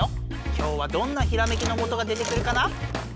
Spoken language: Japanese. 今日はどんなひらめきのもとが出てくるかな？